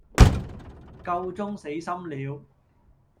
夠鐘死心了